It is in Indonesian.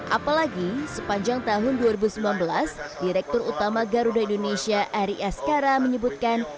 apalagi sepanjang tahun dua ribu sembilan belas direktur utama garuda indonesia ari askara menyebutkan